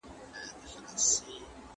منحرف کسان د ټولنې خلاف عمل کوي.